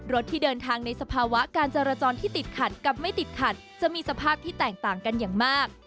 ที่เดินทางในสภาวะการจราจรที่ติดขัดกับไม่ติดขัดจะมีสภาพที่แตกต่างกันอย่างมาก